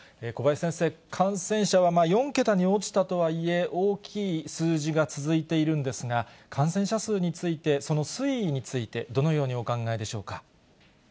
小林先生、感染者は４桁に落ちたとはいえ、大きい数字が続いているんですが、感染者数について、その推移について、どのようにお考えでしょうか。